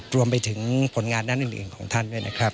รวมไปถึงผลงานด้านอื่นของท่านด้วยนะครับ